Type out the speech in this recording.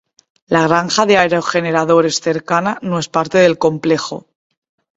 La granja de aerogeneradores cercana no es parte del complejo.